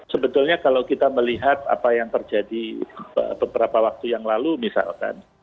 sebetulnya kalau kita melihat apa yang terjadi beberapa waktu yang lalu misalkan